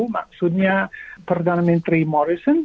maksudnya perdana menteri morrison